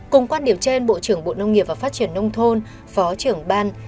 cùng quan điểm trên bộ trưởng bộ nông nghiệp và phát triển nông thôn phó trưởng ban